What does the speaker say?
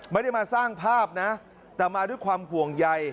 ไม่ได้มาสร้างภาพนะแต่มาด้วยความห่วงใย